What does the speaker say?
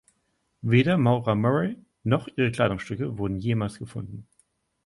Weder Maura Murray noch ihre Kleidungsstücke wurden jemals gefunden.